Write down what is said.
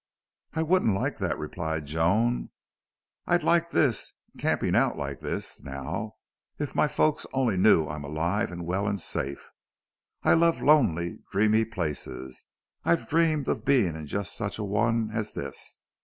"I wouldn't like that," replied Joan. "I'd like this camping out like this now if my folks only knew I am alive and well and safe. I love lonely, dreamy places. I've dreamed of being in just such a one as this.